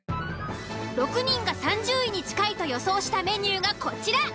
６人が３０位に近いと予想したメニューがこちら。